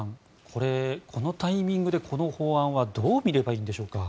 これ、このタイミングでこの法案はどう見ればいいんでしょうか。